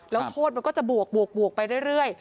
แล้วโทษมันก็จะบวกไปเรื่อย